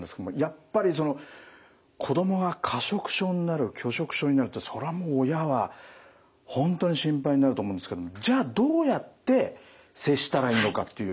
やっぱりその子供が過食症になる拒食症になるってそれはもう親は本当に心配になると思うんですけどじゃあどうやって接したらいいのかっていうところですね。